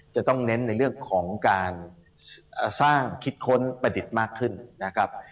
จะต้องเน้นในเรื่องของการสร้างคิดค้นประดิษฐ์มากขึ้นนะครับ